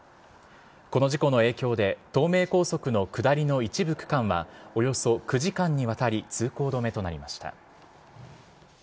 この事故の影響で、東名高速の下りの一部区間は、およそ９時間にわたり通行止めとなりました。